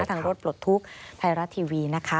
ทางรถปลดทุกข์ไทยรัฐทีวีนะคะ